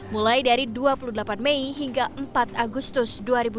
mulai dari dua puluh delapan mei hingga empat agustus dua ribu dua puluh